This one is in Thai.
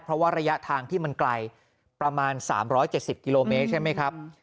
เพราะว่าระยะทางที่มันไกลประมาณ๓๗๐กิโลเมตรใช่ไหมครับ